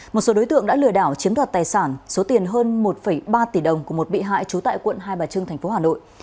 một số đối tượng đã lừa đảo chiếm đoạt tài sản số tiền hơn một ba tỷ đồng của một bị hại trú tại quận hai bà trưng tp hà nội